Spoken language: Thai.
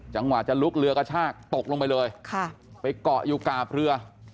จังหวะจะลุกเรือกระชากตกลงไปเลยค่ะไปเกาะอยู่กาบเรือ